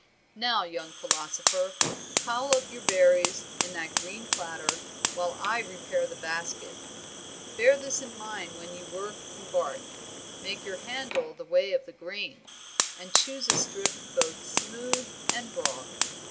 "Now, young philosopher, pile up your berries in that green platter while I repair the basket. Bear this in mind when you work in bark: make your handle the way of the grain, and choose a strip both smooth and broad."